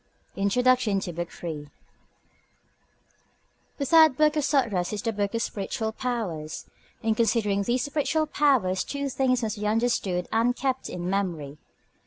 INTRODUCTION TO BOOK III The third book of the Sutras is the Book of Spiritual Powers. In considering these spiritual powers, two things must be understood and kept in memory.